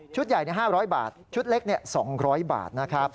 ชุดใหญ่เนี่ย๕๐๐บาทชุดเล็กเนี่ย๒๐๐บาทนะครับ